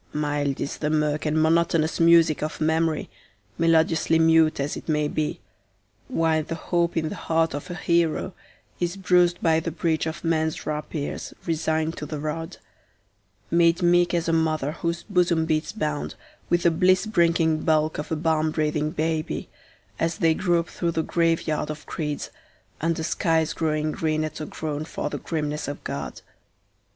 Mild is the mirk and monotonous music of memory, melodiously mute as it may be, While the hope in the heart of a hero is bruised by the breach of men's rapiers, resigned to the rod; Made meek as a mother whose bosom beats bound with the bliss bringing bulk of a balm breathing baby, As they grope through the graveyard of creeds, under skies growing green at a groan for the grimness of God.